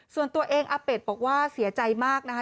ส่วนตัวเองอาเป็ดบอกว่าเสียใจมากนะคะ